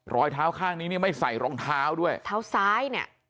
รอยเท้าข้างนี้เนี่ยไม่ใส่รองเท้าด้วยเท้าซ้ายเนี่ย